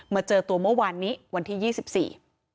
เจอตัวเมื่อวานนี้วันที่ยี่สิบสี่